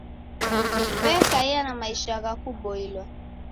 W'ekaia na maisha gha kuboilwa